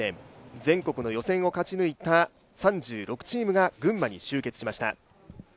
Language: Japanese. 全国の予選を勝ち抜いた３６チームが群馬に集結しました。